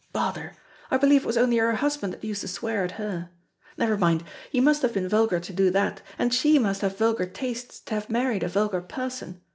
Bother! I believe it was only her husband that used to swear at her. Never mind, he must have been vulgar to do that, and she must have vulgar tastes to have married a vulgar person.